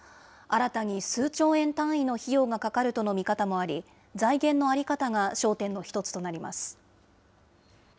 新たに数兆円単位の費用がかかるとの見方もあり、財源の在り方が焦点の１つとなります。